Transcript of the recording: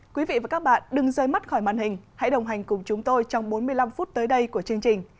quý vị và các bạn đừng rơi mắt khỏi màn hình hãy đồng hành cùng chúng tôi trong bốn mươi năm phút tới đây của chương trình